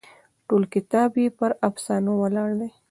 ټول کتاب یې پر افسانو ولاړ دی.